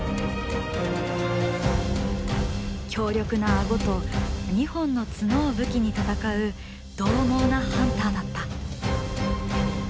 強力なアゴと２本のツノを武器に戦うどう猛なハンターだった。